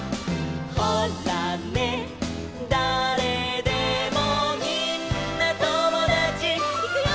「ほらね誰でもみんなともだち」いくよ！